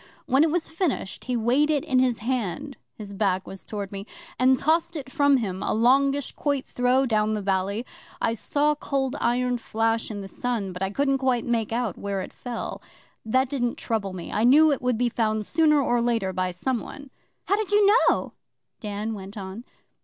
When it was finished, he weighed it in his hand (his back was towards me), and tossed it from him a longish quoit throw down the valley. I saw Cold Iron flash in the sun, but I couldn't quite make out where it fell. That didn't trouble me. I knew it would be found sooner or later by someone.' 'How did you know?' Dan went on.